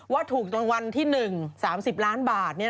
ว่าถูกรางวัลที่๑๓๐ล้านบาท